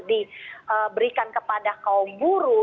diberikan kepada kaum buruh